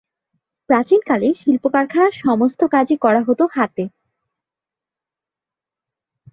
প্রাচীনকালে শিল্পকারখানার সমস্ত কাজই করা হতো হাতে।